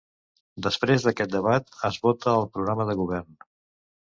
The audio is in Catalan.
Després d'aquest debat, es vota el programa de govern.